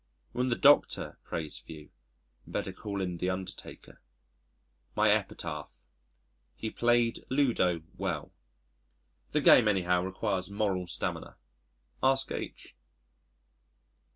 When the Doctor prays for you better call in the undertaker. My epitaph "He played Ludo well." The game anyhow requires moral stamina ask H